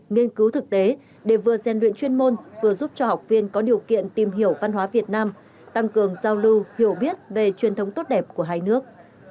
nghiên cứu thực tế để vừa gian luyện chuyên môn vừa giúp cho học viên có điều kiện tìm hiểu văn hóa việt nam tăng cường giao lưu hiểu biết về truyền thống tốt đẹp của hai nước